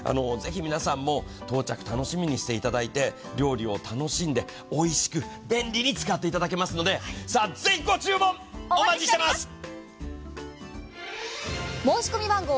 ぜひ皆さんも到着を楽しみにしていただいて料理を楽しんでおいしく、便利に使っていただけますので、ぜひご注文お待ちしております！